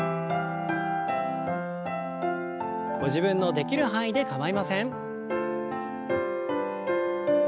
ご自分のできる範囲で構いません。